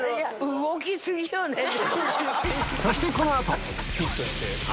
そしてこの後痛い！